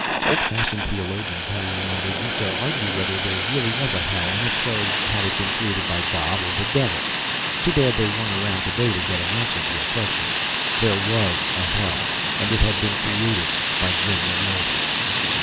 Old fashioned theologians, Harry remembered, used to argue whether there really was a Hell, and if so, had it been created by God or the Devil? Too bad they weren't around today to get an answer to their questions. There was a Hell, and it had been created by General Motors.